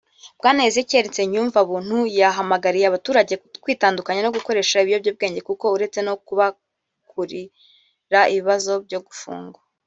Bwana Ezekiel Nsengiyumwa Buntu yahamagariye abaturage kwitandukanya no gukoresha ibiyobyabwenge kuko uretse no kubakururira ibibazo byo gufungwa